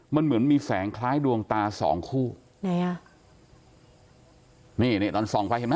มันเหมือนมีแสงคล้ายดวงตาสองคู่ไหนอ่ะนี่นี่ตอนส่องไฟเห็นไหม